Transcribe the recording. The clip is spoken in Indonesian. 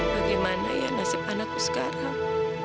bagaimana ya nasib anakku sekarang